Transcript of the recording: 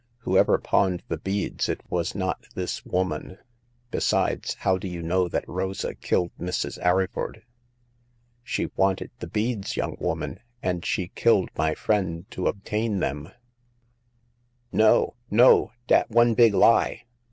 Whosoever pawned the beads, it was not this woman. Besides, how do you know that Rosa killed Mrs. Arryford ?"^* She wanted the beads, young woman, and she killed my friend to obtain them/' 74 Hagar of the Pawn Shop. No, no ! dat one big lie